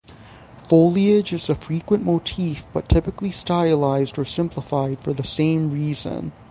Foliage is a frequent motif but typically stylized or simplified for the same reason.